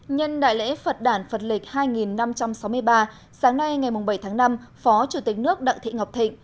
nhân đại lễ phật đàn phật lịch hai năm trăm sáu mươi ba sáng nay ngày bảy tháng năm phó chủ tịch nước đặng thị ngọc thịnh